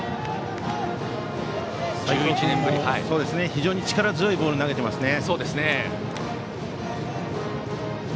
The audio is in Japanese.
非常に力強いボールを投げていますね。